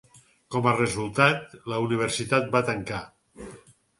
Com a resultat, la universitat va tancar.